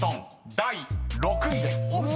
［第６位です］